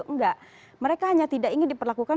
enggak mereka hanya tidak ingin diperlakukan